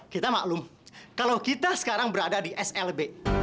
kita maklum kalau kita sekarang berada di slb